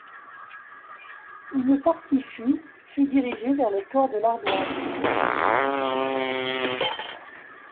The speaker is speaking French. Une partie, fûts, fut dirigée vers le port de L'Ardoise.